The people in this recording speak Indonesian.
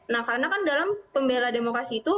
nah karena kan dalam pembela demokrasi itu